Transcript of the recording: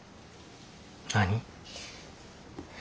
何？